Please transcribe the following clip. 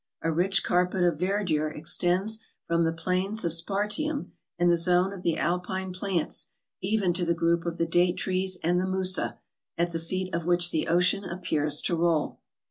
A rich carpet of verdure extends from the plains of spartium, and the zone of the alpine plants even to the group of the date trees and the musa, at the feet of which the ocean appears to roll.